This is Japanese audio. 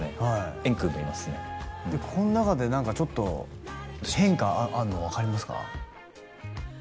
円空もいますねでこの中で何かちょっと変化あるの分かりますか？